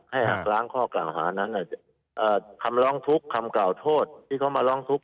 หักล้างข้อกล่าวหานั้นคำร้องทุกข์คำกล่าวโทษที่เขามาร้องทุกข